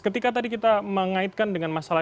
ketika tadi kita mengaitkan dengan masalah